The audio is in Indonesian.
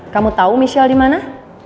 kamu tau michelle dimana